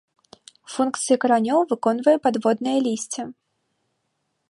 Функцыі каранёў выконвае падводнае лісце.